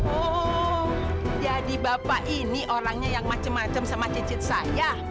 oh jadi bapak ini orangnya yang macam macam sama cicit saya